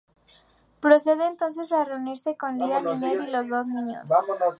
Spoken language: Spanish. Procede entonces a reunirse con Leah, Ninette y los dos niños.